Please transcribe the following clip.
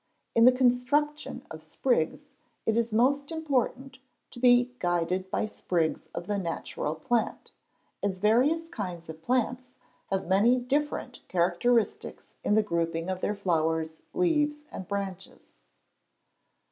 In the construction of sprigs, it is most important to be guided by sprigs of the natural plant, as various kinds of plants have many different characteristics in the grouping of their flowers, leaves and branches.